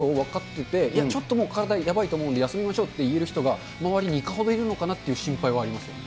そう考えると、冷静に体のことを分かってて、いや、もうちょっと体やばいと思うんで休みましょうって言える人が周りにいかほどいるのかなという心配はありますよね。